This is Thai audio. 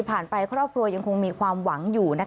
ไปครอบครัวยังคงมีความหวังอยู่